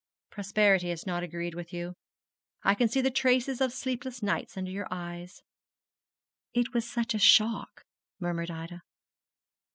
'Prosperity has not agreed with you. I can see the traces of sleepless nights under your eyes.' 'It was such a shock,' murmured Ida.